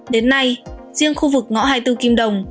đến nay riêng khu vực ngõ hai mươi bốn kim đồng